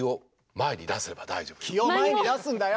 気を前に出すんだよ！